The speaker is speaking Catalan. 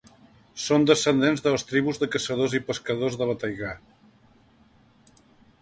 Són descendents de les tribus de caçadors i pescadors de la taigà.